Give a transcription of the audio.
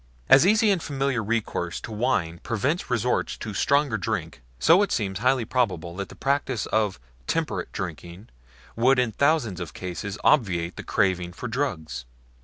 As easy and familiar recourse to wine prevents resort to stronger drinks, so it seems highly probable that the practice of temperate drinking would in thousands of cases obviate the craving for drugs.